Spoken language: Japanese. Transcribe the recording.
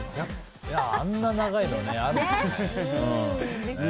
あんな長いのあるんだね。